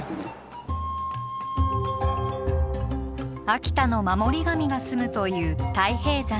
秋田の守り神が棲むという太平山。